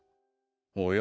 おや？